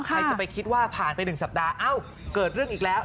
ใครจะไปคิดว่าผ่านไป๑สัปดาห์เอ้าเกิดเรื่องอีกแล้ว